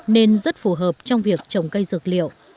nên rất phù hợp trong việc trồng cây dược liệu